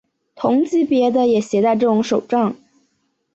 同级别的也携带这种手杖。